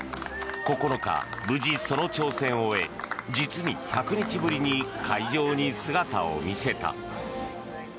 ９日、無事にその挑戦を終え実に１００日ぶりに海上に姿を見せた。